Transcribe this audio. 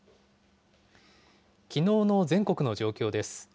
きのうの全国の状況です。